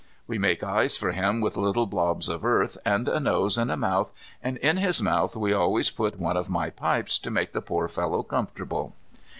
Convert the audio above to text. We make eyes for him with little blobs of earth, and a nose and a mouth, and in his mouth we always put one of my pipes to make the poor fellow comfortable.